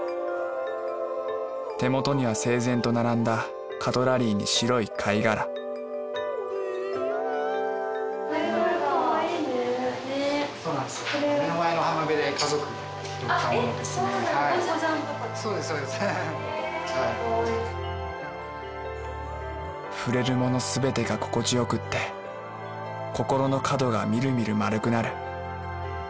手元には整然と並んだカトラリーに白い貝殻触れるもの全てが心地よくって心の角がみるみる丸くなる。